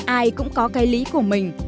ai cũng có cái lý của mình